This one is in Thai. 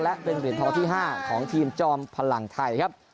และเป็นเหรียญทองที่๕ของทีมจอมพลังไทยครับ